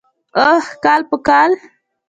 اوح کال په کال.